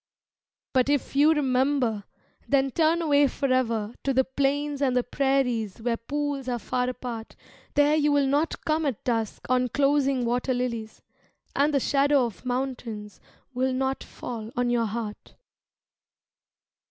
But if you remember, then turn away forever To the plains and the prairies where pools are far apart, There you will not come at dusk on closing water lilies, And the shadow of mountains will not fall on your heart.